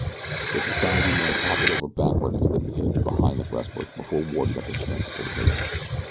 The society man toppled over backward into the pit behind the breastwork before Ward had a chance to pull the trigger.